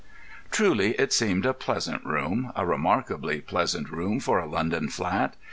Truly it seemed a pleasant room, a remarkably pleasant room for a London flat.